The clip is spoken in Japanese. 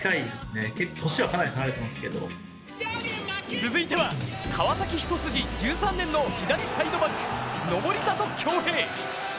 続いては川崎一筋１３年の左サイドバック・登里享平。